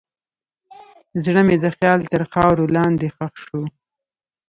زړه مې د خیال تر خاورو لاندې ښخ شو.